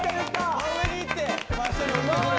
真上に行って真下に落ちてくる。